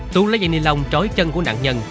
tú lấy dây nilon trói chân của nạn nhân